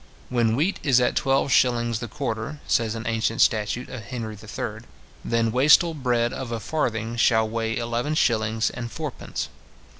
"When wheat is at twelve shillings the quarter," says an ancient statute of Henry III. "then wastel bread of a farthing shall weigh eleven shillings and fourpence".